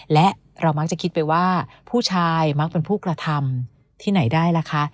และเรามักจะคิดไปว่าผู้ชายมักเป็นผู้กระทำที่ไหนได้ล่ะคะ